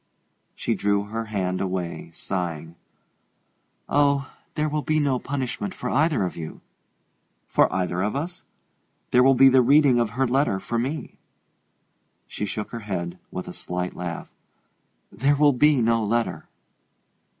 She drew her hand away, sighing. "Oh, there will be no punishment for either of you." "For either of us? There will be the reading of her letter for me." She shook her head with a slight laugh. "There will be no letter."